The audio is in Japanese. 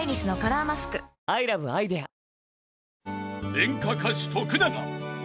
［演歌歌手徳永鬼